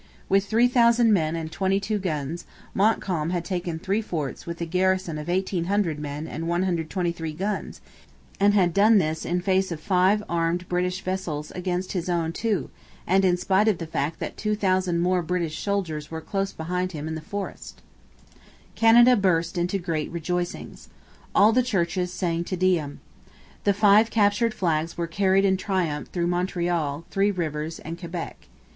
With 3,000 men and 22 guns Montcalm had taken three forts with a garrison of 1,800 men and 123 guns; and had done this in face of five armed British vessels against his own two, and in spite of the fact that 2,000 more British soldiers were close behind him in the forest. Canada burst into great rejoicings. All the churches sang Te Deum. The five captured flags were carried in triumph through Montreal, Three Rivers, and Quebec.